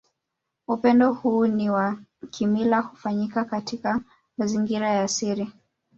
Upendo huu ni wa kimila hufanyika katika mazingira ya siri